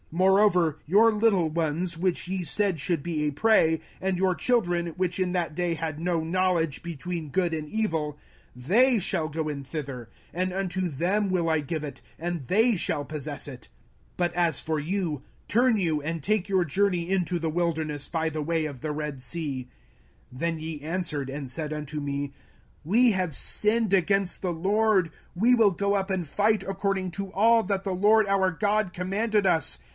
05:001:039 Moreover your little ones, which ye said should be a prey, and your children, which in that day had no knowledge between good and evil, they shall go in thither, and unto them will I give it, and they shall possess it. 05:001:040 But as for you, turn you, and take your journey into the wilderness by the way of the Red sea. 05:001:041 Then ye answered and said unto me, We have sinned against the LORD, we will go up and fight, according to all that the LORD our God commanded us.